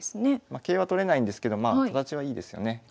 桂は取れないんですけど形はいいですよね。